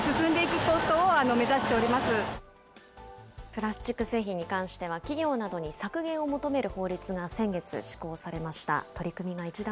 プラスチック製品に関しては、企業などに削減を求める法律が先月施行されました。